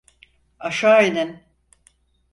Aşağı inin!